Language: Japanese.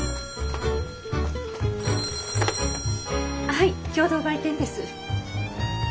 ☎はい共同売店です。